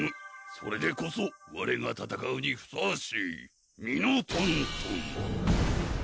それでこそわれが戦うにふさわしいミノトントン！